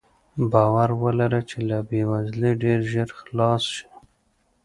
باور ولره چې له بې وزلۍ ډېر ژر خلاص شې.